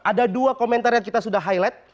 ada dua komentar yang kita sudah highlight